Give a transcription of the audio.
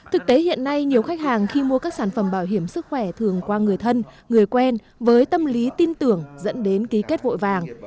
thực tế hiện nay nhiều khách hàng khi mua các sản phẩm bảo hiểm sức khỏe thường qua người thân người quen với tâm lý tin tưởng dẫn đến ký kết vội vàng